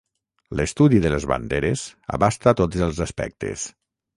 L'estudi de les banderes abasta tots els aspectes.